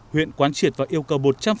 huyện quán triệt và yêu cầu